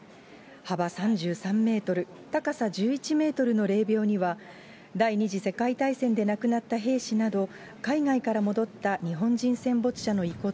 幅３３メートル、高さ１１メートルの霊びょうには、第２次世界大戦で亡くなった兵士など、海外から戻った日本人戦没者の遺骨